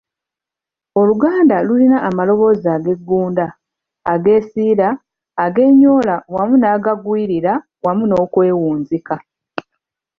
Oluganda lulina amaloboozi ageggunda, agesiira, agenyoola wamu n’agagwirira wamu n’okwewunzika.